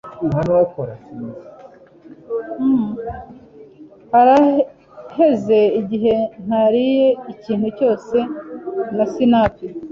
Haraheze igihe ntariye ikintu cyose na sinapi.